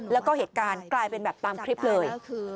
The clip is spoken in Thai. แล้วก็เหตุการณ์กลายเป็นแบบตามคลิปเลย